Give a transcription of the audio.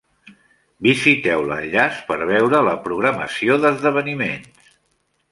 Visiteu l'enllaç per veure la programació d'esdeveniments.